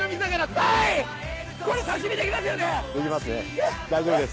大丈夫です。